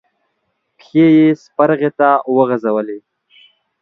پښې يې سپرغې ته وغزولې.